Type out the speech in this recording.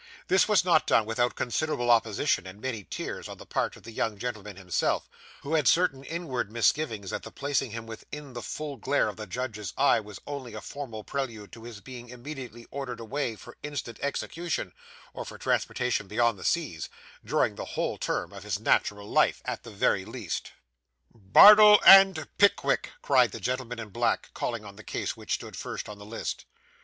This was not done without considerable opposition, and many tears, on the part of the young gentleman himself, who had certain inward misgivings that the placing him within the full glare of the judge's eye was only a formal prelude to his being immediately ordered away for instant execution, or for transportation beyond the seas, during the whole term of his natural life, at the very least. 'Bardell and Pickwick,' cried the gentleman in black, calling on the case, which stood first on the list.